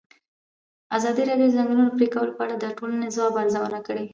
ازادي راډیو د د ځنګلونو پرېکول په اړه د ټولنې د ځواب ارزونه کړې.